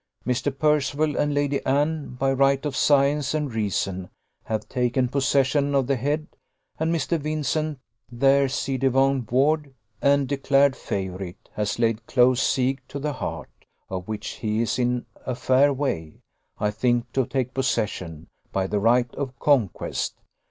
Mr. Percival and Lady Anne, by right of science and reason, have taken possession of the head, and a Mr. Vincent, their ci devant ward and declared favourite, has laid close siege to the heart, of which he is in a fair way, I think, to take possession, by the right of conquest.